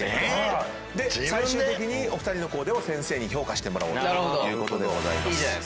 最終的にお二人のコーデを先生に評価してもらおうということでございます。